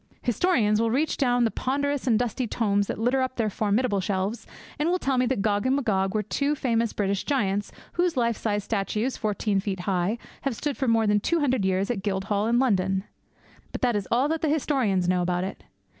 Historians will reach down the ponderous and dusty tomes that litter up their formidable shelves, and will tell me that Gog and Magog were two famous British giants whose life sized statues, fourteen feet high, have stood for more than two hundred years in the Guildhall in London. But that is all that the historians know about it!